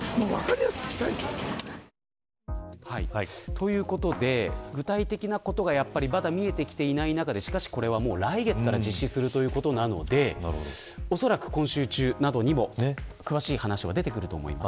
ということで具体的なことがまだ見えてきていない中でしかしこれは、来月から実施するということなのでおそらく、今週中などにも詳しい話は出てくると思います。